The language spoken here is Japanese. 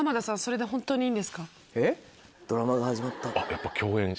やっぱ共演者。